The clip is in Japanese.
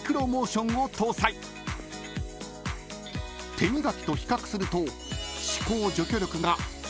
［手磨きと比較すると］